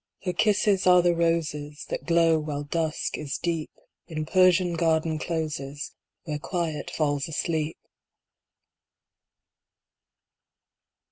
Her kisses are the roses That glow while dusk is deep In Persian garden closes Where Quiet falls asleep.